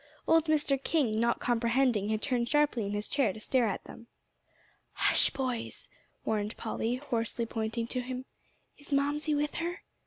Old Mr. King, not comprehending, had turned sharply in his chair to stare at them. "Hush, boys," warned Polly, hoarsely pointing to him; "is Mamsie with her?"